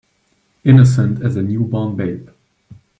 Innocent as a new born babe.